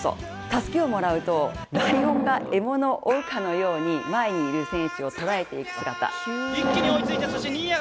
たすきをもらうとライオンが獲物を追うかのように前にいる選手を捉えていく姿。